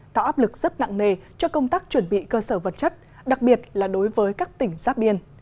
tạo áp lực rất nặng nề cho công tác chuẩn bị cơ sở vật chất đặc biệt là đối với các tỉnh giáp biên